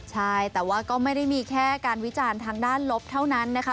ใช่แต่ว่าก็ไม่ได้มีแค่การวิจารณ์ทางด้านลบเท่านั้นนะคะ